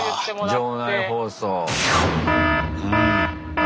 場内放送。